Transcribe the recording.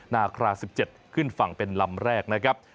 นาครา๑๗ขึ้นฝั่งเป็นลำแรกนะครับ